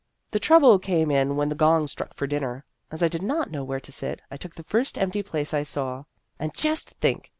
The trouble came in when the gong struck for dinner. As I did not know where to sit, I took the first empty place I saw. And just think